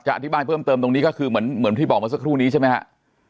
อธิบายเพิ่มเติมตรงนี้ก็คือเหมือนที่บอกเมื่อสักครู่นี้ใช่ไหมฮะ